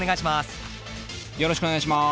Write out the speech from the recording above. よろしくお願いします。